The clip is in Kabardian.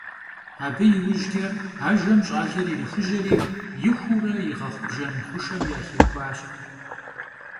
Abı yiujç'e ajjem ş'aler yirixujeri yixuure yiğexhu bjjen xhuşşem yaxixuaş.